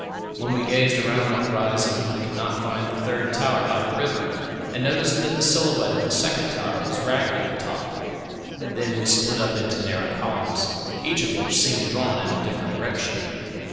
When we gazed around the horizon, we could not find the third tower by the river, and noticed that the silhouette of the second tower was ragged at the top. Then we split up into narrow columns, each of which seemed drawn in a different direction.